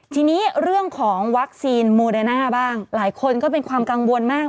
ทีนี้เรื่องของวัคซีนโมเดน่าบ้างหลายคนก็เป็นความกังวลมาก